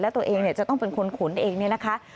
และตัวเองจะต้องเป็นคนขนเองเนี่ยนะคะ